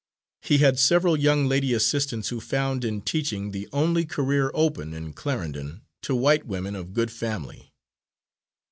He had several young lady assistants who found in teaching the only career open, in Clarendon, to white women of good family.